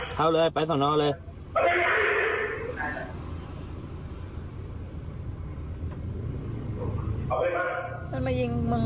เข้าเลยไปส่วนน้อยเลย